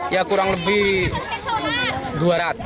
ya kurang lebih dua ratus